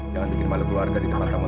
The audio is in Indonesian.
jangan bikin malu keluarga di tempat kamu